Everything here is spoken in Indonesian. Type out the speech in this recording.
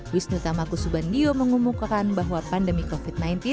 wisnu tamaku subandio mengumumkan bahwa pandemi covid sembilan belas